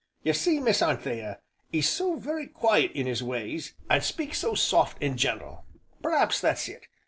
Ye see, Miss Anthea, 'e's so very quiet in 'is ways, an' speaks so soft, an' gentle, p'raps that's it.